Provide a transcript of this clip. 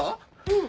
うん。